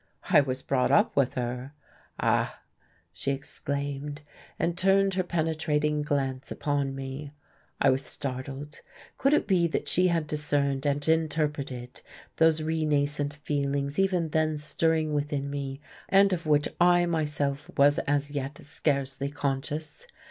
"I was brought up with her." "Ah!" she exclaimed, and turned her penetrating glance upon me. I was startled. Could it be that she had discerned and interpreted those renascent feelings even then stirring within me, and of which I myself was as yet scarcely conscious?